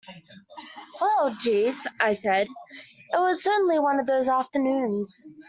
"Well, Jeeves," I said, "it was certainly one of those afternoons."